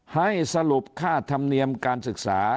ให้สรุปค่าธรรมเนียมการศึกษา